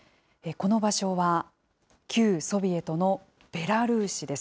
この場所は、旧ソビエトのベラルーシです。